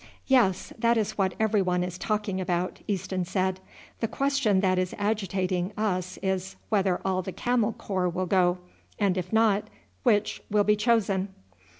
"Yes, that is what every one is talking about," Easton said. "The question that is agitating us is whether all the Camel Corps will go; and if not, which will be chosen?"